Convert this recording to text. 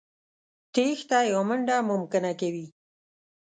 تېښته يا منډه ممکنه کوي.